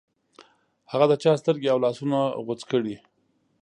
هغه د چا سترګې او لاسونه غوڅ کړې.